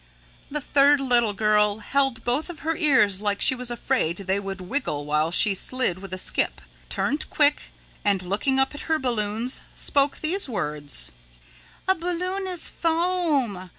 '" The third little girl held both of her ears like she was afraid they would wiggle while she slid with a skip, turned quick, and looking up at her balloons, spoke these words: "A balloon is foam.